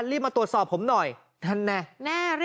สดที่ภาษาวัยรุ่นนะแบบ